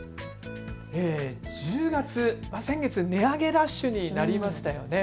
１０月、先月、値上げラッシュになりましたよね。